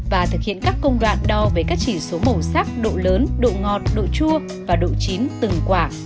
và thực hiện các công đoạn đo với các chỉ số màu sắc độ lớn độ ngọt độ chua và độ chín từng quả